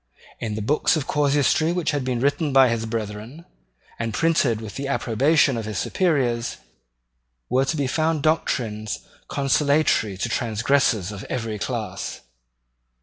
In the books of casuistry which had been written by his brethren, and printed with the approbation of his superiors, were to be found doctrines consolatory to transgressors of every class.